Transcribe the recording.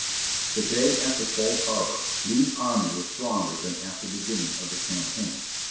The day after Cold Harbor Lee's army was stronger than at the beginning of the campaign.